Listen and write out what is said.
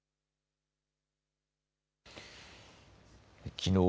きのう